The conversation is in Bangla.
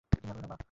চিন্তা করো না, মা।